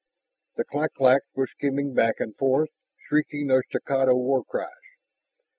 The clak claks were skimming back and forth, shrieking their staccato war cries.